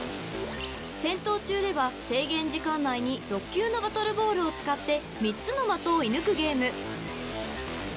［『戦闘中』では制限時間内に６球のバトルボールを使って３つの的を射抜くゲーム］